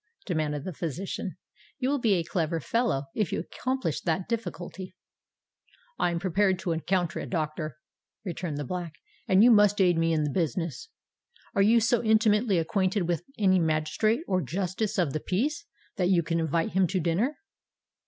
demanded the physician. "You will be a clever fellow if you accomplish that difficulty." "I am prepared to encounter it, doctor," returned the Black; "and you must aid me in the business. Are you so intimately acquainted with any magistrate or justice of the peace, that you could invite him to dinner?"